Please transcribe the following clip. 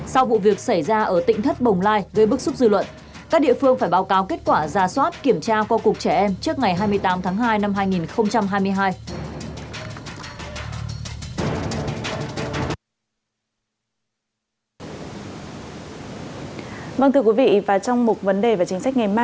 các địa phương phải báo cáo kết quả gia soát kiểm tra qua cuộc trẻ em trước ngày hai mươi tám tháng hai năm hai nghìn hai mươi hai